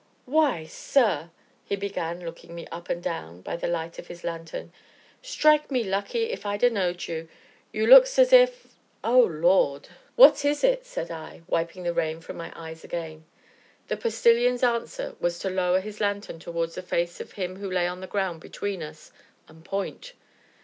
"Why sir!" he began, looking me up and down, by the light of his lanthorn, "strike me lucky if I'd ha' knowed ye! you looks as if oh, Lord!" "What is it?" said I, wiping the rain from my eyes again. The Postilion's answer was to lower his lanthorn towards the face of him who lay on the ground between us, and point.